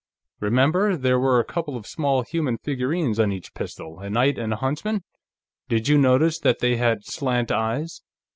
"Remember, there were a couple of small human figures on each pistol, a knight and a huntsman? Did you notice that they had slant eyes?"